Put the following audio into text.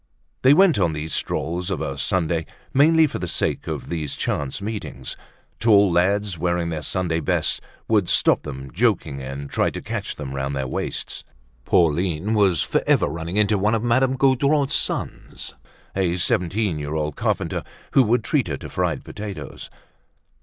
They went on these strolls of a Sunday mainly for the sake of these chance meetings. Tall lads, wearing their Sunday best, would stop them, joking and trying to catch them round their waists. Pauline was forever running into one of Madame Gaudron's sons, a seventeen year old carpenter, who would treat her to fried potatoes.